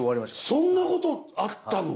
そんなことあったの？